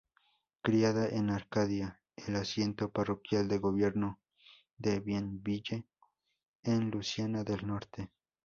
Criada en Arcadia, el asiento parroquial de gobierno de Bienville, en Luisiana del norte.